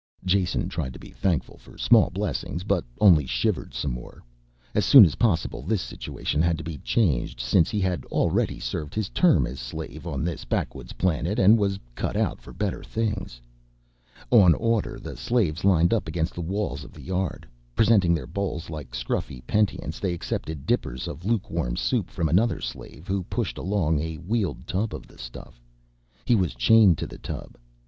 Jason tried to be thankful for small blessings, but only shivered some more. As soon as possible this situation had to be changed since he had already served his term as slave on this backwoods planet and was cut out for better things. On order the slaves lined up against the walls of the yard. Presenting their bowls like scruffy penitents they accepted dippers of lukewarm soup from another slave who pushed along a wheeled tub of the stuff: he was chained to the tub.